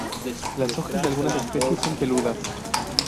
Las hojas de algunas especies son peludas.